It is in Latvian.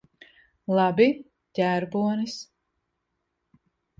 Labi. Ģērbonis.